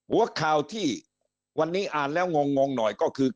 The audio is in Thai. หัวข่าวที่วันนี้อ่านแล้วงงหน่อยก็คือ